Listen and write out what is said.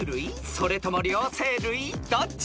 それとも両生類？どっち？］